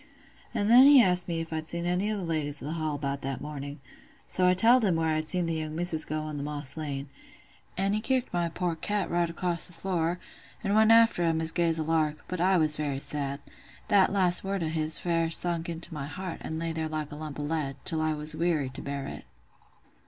"An' then he asked me if I'd seen any of the ladies o' th' Hall about that mornin'; so I telled him where I had seen the young misses go on th' Moss Lane;—an' he kicked my poor cat right across th' floor, an' went after 'em as gay as a lark: but I was very sad. That last word o' his fair sunk into my heart, an' lay there like a lump o' lead, till I was weary to bear it.